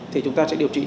thì chúng ta sẽ điều trị